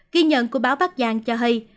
ghi nhận của báo bắc giang cho hay